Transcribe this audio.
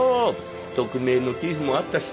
匿名の寄付もあったし。